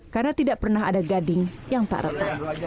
karena tidak pernah ada gading yang tak retak